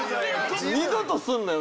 二度とすんなよ